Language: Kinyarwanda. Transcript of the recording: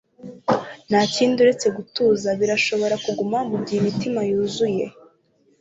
Ntakindi uretse gutuza birashobora kuguma mugihe imitima yuzuye